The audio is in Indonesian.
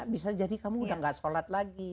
bisa jadi kamu sudah tidak sholat lagi